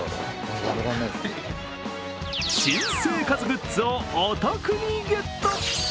新生活グッズをお得にゲット。